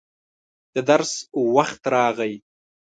د درس وخت راغی.